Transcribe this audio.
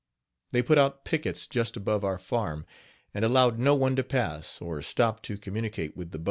They put out pickets just above our farm, and allowed no one to pass, or stop to communicate with the boat.